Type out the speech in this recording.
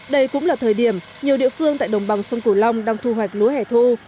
đây cũng là thời điểm nhiều địa phương tại đồng bằng sông cửu long đang thu hoạch lúa hẻ thu